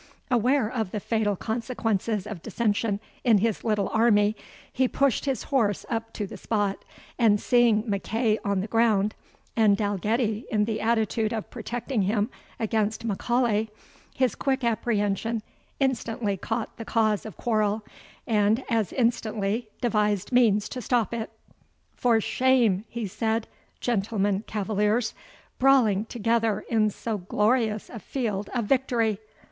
Aware of the fatal consequences of dissension in his little army, he pushed his horse up to the spot, and seeing MacEagh on the ground, and Dalgetty in the attitude of protecting him against M'Aulay, his quick apprehension instantly caught the cause of quarrel, and as instantly devised means to stop it. "For shame," he said, "gentlemen cavaliers, brawling together in so glorious a field of victory!